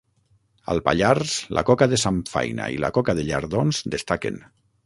Al Pallars la coca de samfaina i la coca de llardons destaquen.